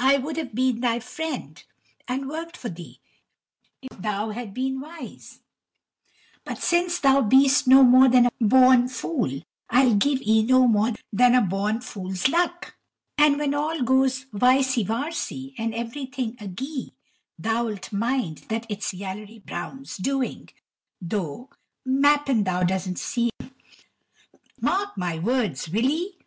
I would have been thy friend and worked for thee if thou had been wise; but since thou bee'st no more than a born fool I'll give 'ee no more than a born fool's luck; and when all goes vicey varsy, and everything agee thou 'lt mind that it's Yallery Brown's doing though m'appen thou doesn't see him. Mark my words, will 'ee?"